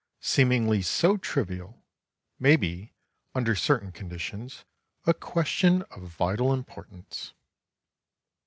seemingly so trivial, may be, under certain conditions, a question of vital importance.